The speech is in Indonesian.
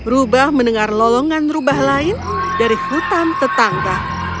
rubah mendengar lolongan rubah lain dari hutan tetangga